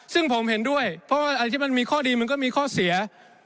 ซึ่งผมเห็นด้วยเพราะว่าอะไรที่มันมีข้อดีมันก็มีข้อเสีย